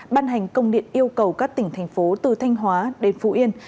ban hành công điện yêu cầu các tỉnh thành phố từ thanh hóa đến phú yên